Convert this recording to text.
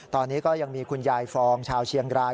ตอนนี้ก็ยังมีคุณยายฟองชาวเชียงราย